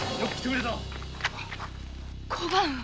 小判？